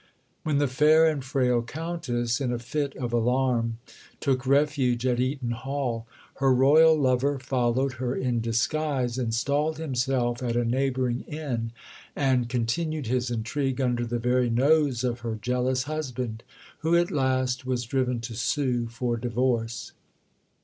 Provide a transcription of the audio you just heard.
When the fair and frail Countess, in a fit of alarm, took refuge at Eaton Hall, her Royal lover followed her in disguise, installed himself at a neighbouring inn, and continued his intrigue under the very nose of her jealous husband, who at last was driven to sue for divorce.